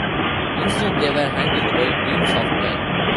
Instead, they were handled by Beam Software.